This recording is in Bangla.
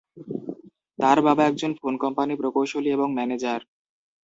তার বাবা একজন ফোন কোম্পানি প্রকৌশলী এবং ম্যানেজার।